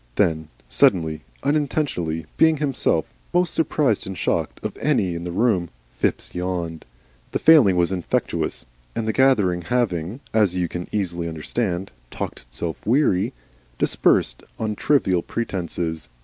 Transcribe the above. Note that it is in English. Then suddenly, unintentionally, being himself most surprised and shocked of any in the room, Phipps yawned. The failing was infectious, and the gathering having, as you can easily understand, talked itself weary, dispersed on trivial pretences.